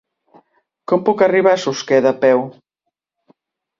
Com puc arribar a Susqueda a peu?